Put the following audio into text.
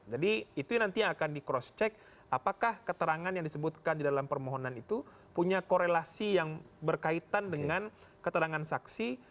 jadi itu nanti akan di cross check apakah keterangan yang disebutkan di dalam permohonan itu punya korelasi yang berkaitan dengan keterangan saksi